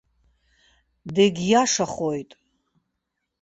Дегьиашахоит.